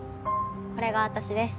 これが私です。